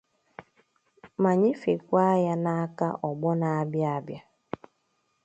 ma nyefèkwa ya n'aka ọgbọ na-abịa abịa.